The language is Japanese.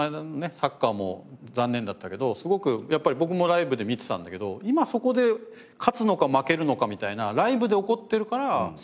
サッカーも残念だったけどすごくやっぱり僕もライブで見てたんだけど今そこで勝つのか負けるのかみたいなライブで起こっているからすごく盛り上がるので。